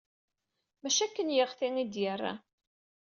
Maci akken yeɣti ay d-yerra.